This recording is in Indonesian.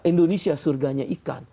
indonesia surganya ikan